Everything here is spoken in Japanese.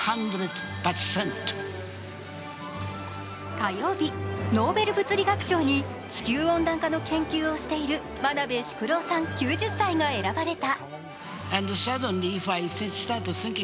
火曜日、ノーベル物理学賞に地球温暖化の研究をしている真鍋淑郎さん９０歳が選ばれた。